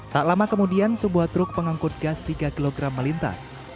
tak lama kemudian sebuah truk pengangkut gas tiga kg melintas